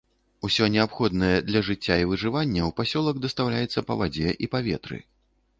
Усё неабходнае для жыцця і выжывання ў пасёлак дастаўляецца па вадзе і паветры.